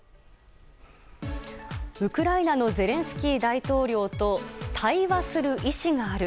ウクライナのゼレンスキー大統領と対話する意思がある。